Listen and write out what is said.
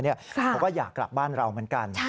เขาก็อยากกลับบ้านเราเหมือนกัน